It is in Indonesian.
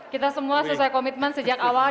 kita semua sesuai komitmen sejak awal